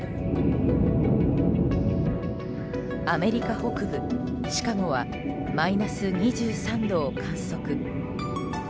アメリカ北部シカゴはマイナス２３度を観測。